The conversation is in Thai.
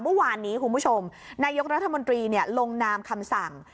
เมื่อวานนี้คุณผู้ชมนายกรัฐมนตรีลงนามคำสั่ง